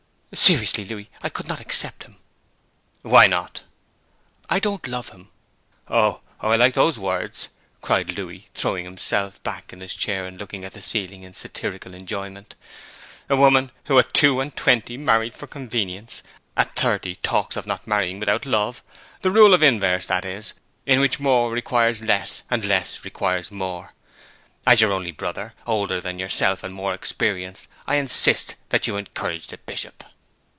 'Seriously, Louis, I could not accept him.' 'Why not?' 'I don't love him.' 'Oh, oh, I like those words!' cried Louis, throwing himself back in his chair and looking at the ceiling in satirical enjoyment. 'A woman who at two and twenty married for convenience, at thirty talks of not marrying without love; the rule of inverse, that is, in which more requires less, and less requires more. As your only brother, older than yourself, and more experienced, I insist that you encourage the Bishop.'